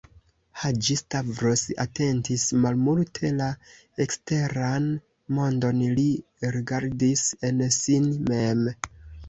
Haĝi-Stavros atentis malmulte la eksteran mondon: li rigardis en sin mem.